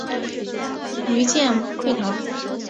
余舰溃逃。